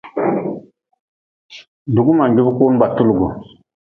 Dugu man jubi kun ba tulgu.